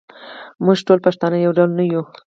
موږ ټول پښتانه یو ډول نه یوو.